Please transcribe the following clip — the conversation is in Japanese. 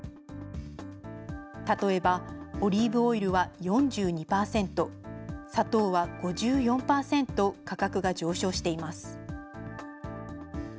例えばオリーブオイルは４２％、砂糖は５４％、価格が上昇しています。